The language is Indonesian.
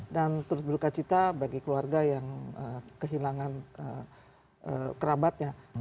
dan terus berduka cita bagi keluarga yang kehilangan kerabatnya